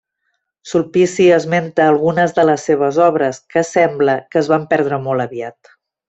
Sulpici esmenta algunes de les seves obres, que sembla que es van perdre molt aviat.